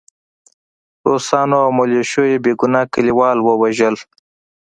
روسانو او ملیشو بې ګناه کلیوال ووژل